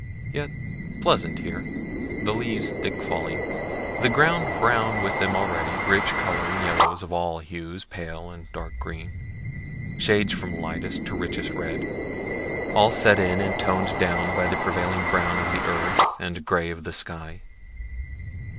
Yet pleasant here, the leaves thick falling, the ground brown with them already; rich coloring, yellows of all hues, pale and dark green, shades from lightest to richest red all set in and toned down by the prevailing brown of the earth and gray of the sky.